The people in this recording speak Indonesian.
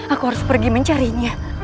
aku harus pergi mencarinya